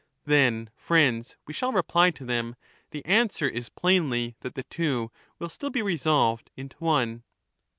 ' Then, friends,* we shall reply to them, ' the answer is plainly that the two will still be resolved into one.'